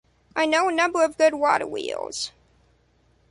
I know of a number of good water wheels.